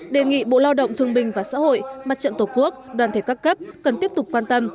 đề nghị bộ lao động thương bình và xã hội mặt trận tổ quốc đoàn thể các cấp cần tiếp tục quan tâm